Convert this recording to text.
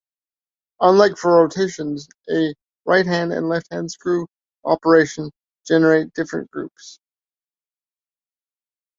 Unlike for rotations, a righthand and lefthand screw operation generate different groups.